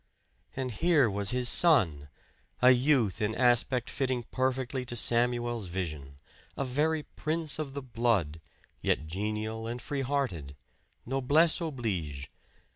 And here was his son a youth in aspect fitting perfectly to Samuel's vision; a very prince of the blood, yet genial and free hearted noblesse oblige!